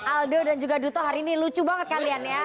aldo dan juga duto hari ini lucu banget kalian ya